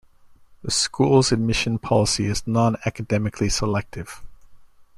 The school's admission policy is non-academically selective.